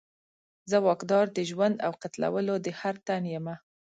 زه واکدار د ژوند او قتلولو د هر تن یمه